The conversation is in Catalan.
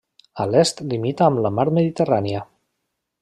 A l'est limita amb la mar Mediterrània.